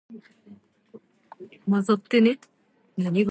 Туйга сценарийны ничек уйлап табасыз?